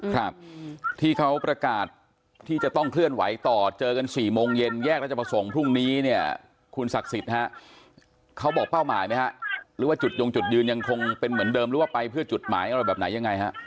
ครับที่เขาประกาศที่จะต้องเคลื่อนไหวต่อเจอกันสี่โมงเย็นแยกราชประสงค์พรุ่งนี้เนี่ยคุณศักดิ์สิทธิ์ฮะเขาบอกเป้าหมายไหมฮะหรือว่าจุดยงจุดยืนยังคงเป็นเหมือนเดิมหรือว่าไปเพื่อจุดหมายอะไรแบบไหนยังไงฮะ